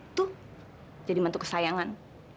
itu jadi mantuk kesayangan